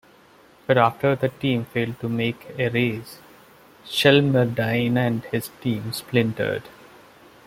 But after the team failed to make a race, Shelmerdine and his team splintered.